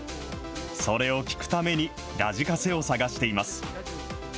それを聴くために、ラジカセを探しています。